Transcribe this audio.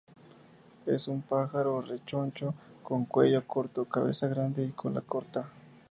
Es un pájaro rechoncho, con cuello corto, cabeza grande y cola corta.